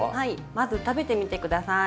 まず食べてみて下さい。